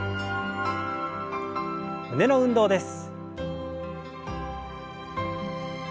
胸の運動です。